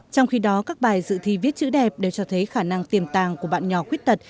trong khi đó các bài dự thi viết chữ đẹp đều cho thấy khả năng tiềm tàng của bạn nhỏ khuyết tật